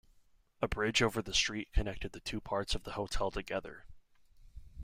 A bridge over the street connected the two parts of the hotel together.